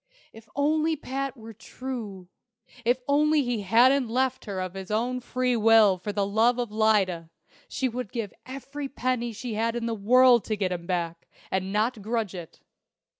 If only Pat were true if only he hadn't left her of his own free will for love of Lyda, she would give every penny she had in the world to get him back, and not grudge it!